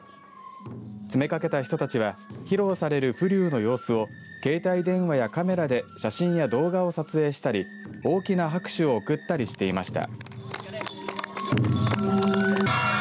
詰めかけた人たちは披露される浮立の様子を携帯電話やカメラで写真や動画を撮影したり大きな拍手を送ったりしていました。